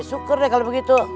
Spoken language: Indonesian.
syukur deh kalau begitu